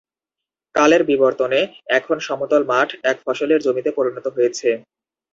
কালের বিবর্তনে এখন সমতল মাঠ এক ফসলের জমিতে পরিণত হয়েছে।